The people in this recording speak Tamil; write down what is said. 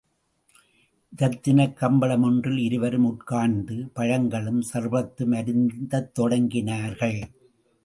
இரத்தினக் கம்பளமொன்றில் இருவரும் உட்கார்ந்து, பழங்களும் சர்பத்தும் அருந்தத் தொடங்கினார்கள்.